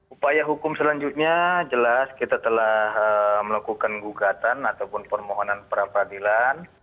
upaya hukum selanjutnya jelas kita telah melakukan gugatan ataupun permohonan pra peradilan